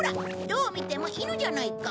どう見ても犬じゃないか！